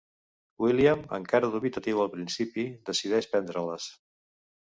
William, encara dubitatiu al principi, decideix prendre-les.